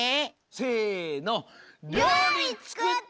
せの。